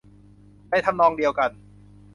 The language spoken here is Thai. ในทำนองเดียวกัน